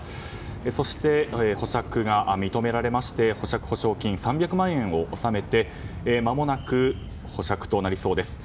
そして、保釈が認められまして保釈保証金３００万円を納めてまもなく保釈となりそうです。